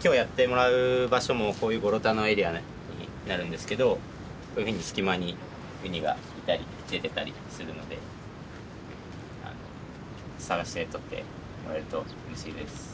きょうやってもらう場所もこういうゴロタのエリアになるんですけどこういうふうに隙間にウニがいたり出てたりするので探して取ってもらえるとうれしいです。